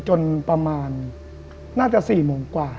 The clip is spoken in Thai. จนประมาณน่าจะ๔โมงกว่า